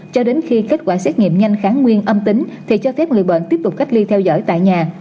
cho đến khi kết quả xét nghiệm nhanh kháng nguyên âm tính thì cho phép người bệnh tiếp tục cách ly theo dõi tại nhà